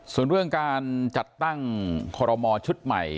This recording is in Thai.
ส่วนเรื่องการจัดตั้งคอรมอชุดใหม่